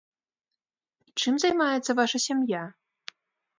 Чым займаецца ваша сям'я?